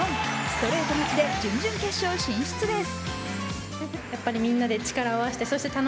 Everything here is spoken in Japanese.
ストレート勝ちで準々決勝進出です。